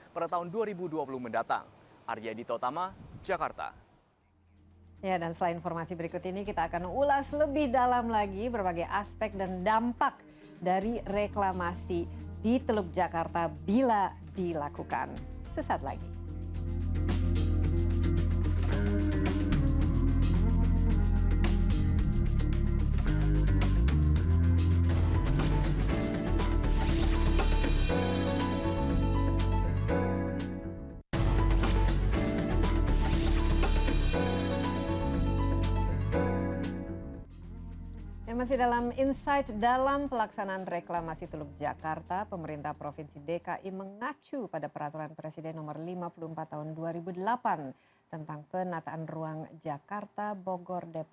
pada tahun dua ribu dua puluh mendatang